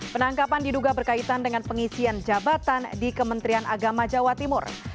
penangkapan diduga berkaitan dengan pengisian jabatan di kementerian agama jawa timur